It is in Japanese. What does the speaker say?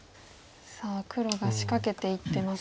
さあ黒が仕掛けていってますが。